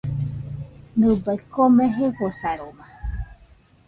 Nɨbai kome jefosaroma.